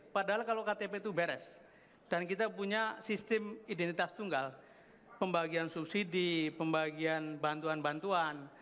padahal kalau ktp itu beres dan kita punya sistem identitas tunggal pembagian subsidi pembagian bantuan bantuan